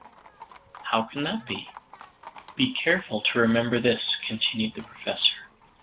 "How can that be?" "Be careful to remember this," continued the Professor.